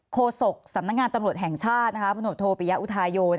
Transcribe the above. โคโศกฯสำนักงานตำรวจแห่งชาติพนุษย์โทปิยอุทายโย